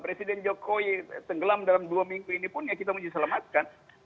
presiden jokowi tenggelam dalam dua minggu ini pun ya kita mau diselamatkan